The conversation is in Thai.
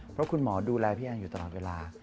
เพราะคุณหมอดูแลพี่แอนอยู่ตลอดเวลา